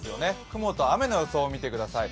雲と雨の予想を見てください。